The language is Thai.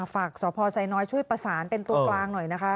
สพไซน้อยช่วยประสานเป็นตัวกลางหน่อยนะคะ